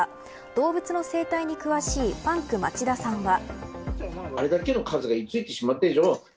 動物の生態に詳しいパンク町田さんは。